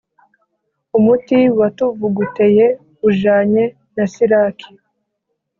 Umuti watuvuguteye ujanye na Siraki